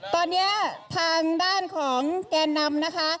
ตอนนี้ทางด้านของแกนนำนะคะ